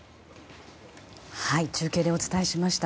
中継でお伝えしました。